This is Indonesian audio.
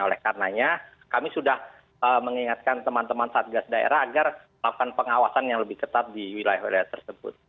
oleh karenanya kami sudah mengingatkan teman teman satgas daerah agar melakukan pengawasan yang lebih ketat di wilayah wilayah tersebut